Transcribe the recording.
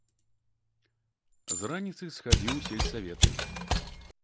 З раніцы схадзіў у сельсавет.